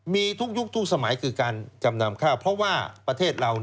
มีทุกยุคทุกสมัยคือการจำนำข้าวเพราะว่าประเทศเรา